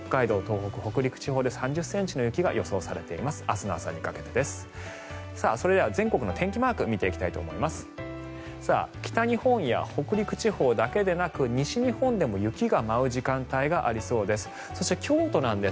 北日本や北陸地方だけでなく西日本でも雪が舞う時間帯がありそうです。